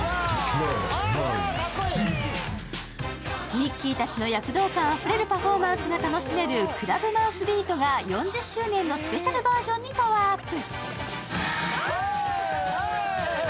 ミッキーたちの躍動感あふれるパフォーマンスが楽しめるクラブマウスビートが４０周年のスペシャルバージョンにパワーアップ。